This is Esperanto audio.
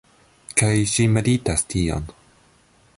Kaj ŝi meditas tion